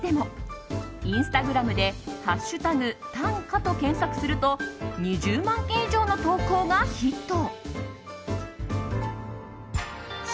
インスタグラムで「＃短歌」と検索すると２０万件以上の投稿がヒット。